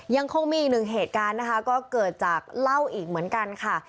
ยังคงมีอีกหนึ่งเหตุการณ์นะคะก็เกิดจากเหล้าอีกเหมือนกันค่ะ